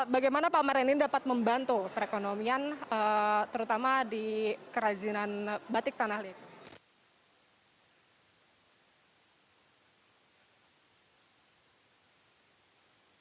bagaimana pameran ini dapat membantu perekonomian terutama di kerajinan batik tanalie